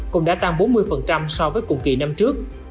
cũng đã tăng bốn mươi so với cùng kỳ năm trước